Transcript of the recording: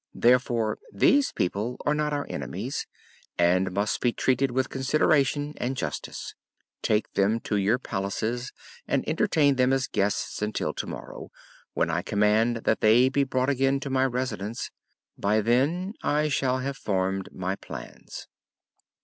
Therefore these people are not our enemies and must be treated with consideration and justice. Take them to your palaces and entertain them as guests until to morrow, when I command that they be brought again to my Residence. By then I shall have formed my plans."